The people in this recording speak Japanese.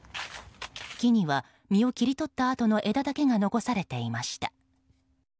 木には実を切り取ったあとの枝だけが残されていました。